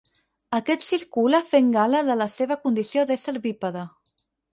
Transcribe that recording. Aquest circula fent gala de la seva condició d'ésser bípede.